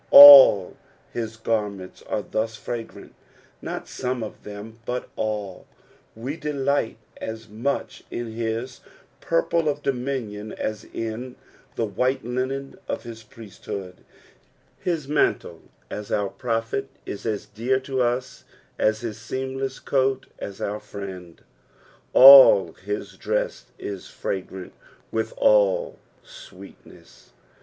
"J/i " his garments are thus fragrant ; not some of them, but sll ; we delight AS much in his purple of dominion as in the white linen of his pricst hooa, his mantle as our prophet is as dear to us as his seamless ciiat as our friend. All hia drcsa is fragrant with all sweetness.